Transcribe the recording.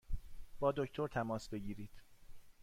با دکتر تماس بگیرید!